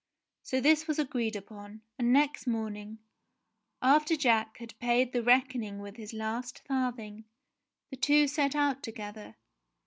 So this was agreed upon, and next morning, after Jack had paid the reckoning with his last farthing, the two set out together.